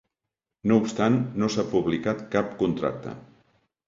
No obstant, no s'ha publicat cap contracte.